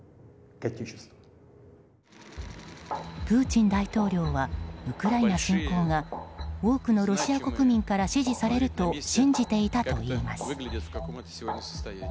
プーチン大統領はウクライナ侵攻が多くのロシア国民から支持されると信じていたといいます。